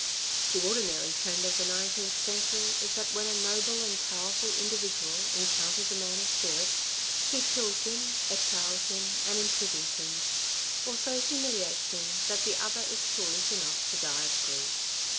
The ordinary trend of the nineteenth century is that when a noble and powerful individual encounters a man of spirit, he kills him, exiles him and imprisons him, or so humiliates him that the other is foolish enough to die of grief.